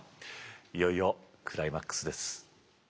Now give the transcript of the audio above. いよいよクライマックスです。